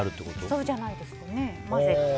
そうじゃないですかね。